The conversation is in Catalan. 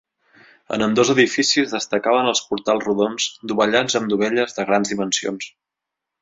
En ambdós edificis destacaven els portals rodons dovellats amb dovelles de grans dimensions.